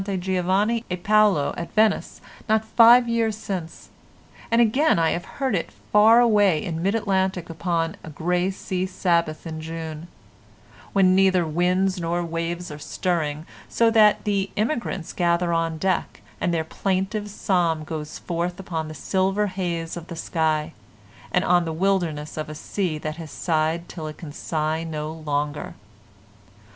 Giovanni e Paolo at Venice not five years since; and again I have heard it far away in mid Atlantic upon a grey sea Sabbath in June, when neither winds nor waves are stirring, so that the emigrants gather on deck, and their plaintive psalm goes forth upon the silver haze of the sky, and on the wilderness of a sea that has sighed till it can sigh no longer.